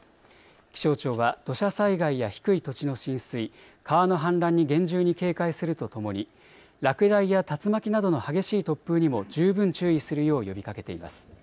気象庁は土砂災害や低い土地の浸水、川の氾濫に厳重に警戒するとともに落雷や竜巻などの激しい突風にも十分注意するよう呼びかけています。